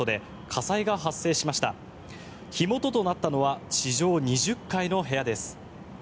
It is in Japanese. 火元となったのは地上２０階の部屋です。